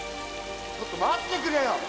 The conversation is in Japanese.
〔ちょっと待ってくれよ！〕